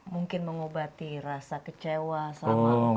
mungkin mengobati rasa kecewa sama empat orang